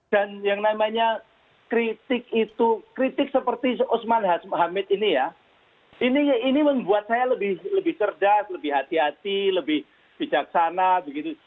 dan yang namanya kritik itu kritik seperti osman hamid ini ya ini membuat saya lebih cerdas lebih hati hati lebih bijaksana begitu